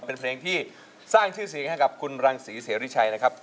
เป็นเพลงที่สร้างชื่อเสียงให้กับคุณรังศรีเสริชัยนะครับ